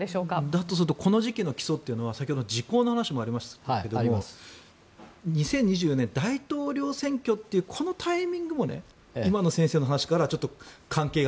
だとするとこの時期の起訴というのは先ほど時効の話もありましたが２０２４年大統領選挙というこのタイミングも今の先生の話からちょっと関係が。